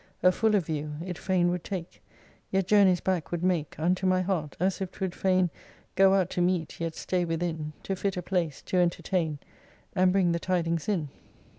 A fuller view It fain would take Yet journeys back would make Unto my heart : as if 'twould fain Go out to meet, yet stay within To fit a place, to entertain, And bring the tidings in.